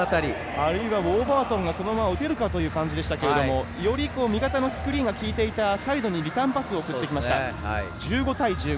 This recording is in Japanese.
あるいはウォーバートンがそのまま打てるかという感じでしたけれどもより味方のスクリーンがきいていた最後にリターンパスを送ってきました。